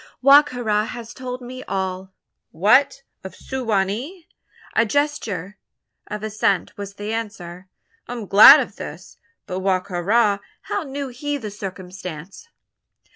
"Wa ka ra has told me all." "What! of Su wa nee?" A gesture of assent was the answer. "I am glad of this. But Wa ka ra! how knew he the circumstance?"